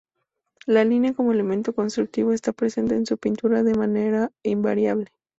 La línea, como elemento constructivo, está presente en su pintura de manera invariable.